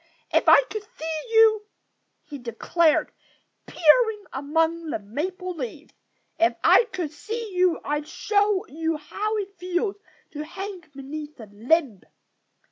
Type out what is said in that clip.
If I could see you " he declared, peering among the maple leaves "if I could see you I'd show you how it feels to hang beneath a limb."